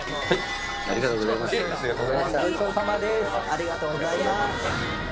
ありがとうございます。